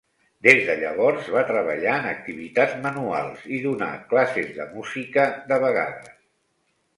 Des de llavors, va treballar en activitats manuals i donà classes de música de vegades.